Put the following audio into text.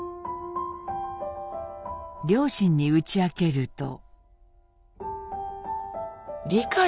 両親に打ち明けると。